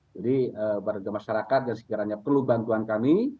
jadi warga masyarakat yang sekiranya perlu bantuan kami